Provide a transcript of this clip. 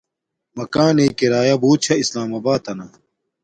مکانݵ کرایا بوت چھا اسلام آباتنا